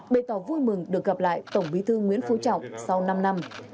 bày tỏ vui mừng được gặp lại tổng bí thư nguyễn phú trọng sau năm năm